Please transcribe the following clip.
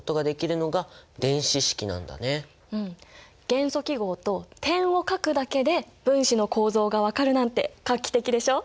元素記号と点を書くだけで分子の構造が分かるなんて画期的でしょ。